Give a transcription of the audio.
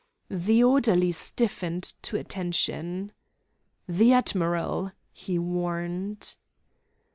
The orderly stiffened to attention. "The admiral!" he warned.